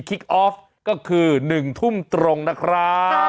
ออฟก็คือ๑ทุ่มตรงนะครับ